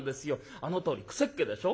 あのとおり癖っ毛でしょ？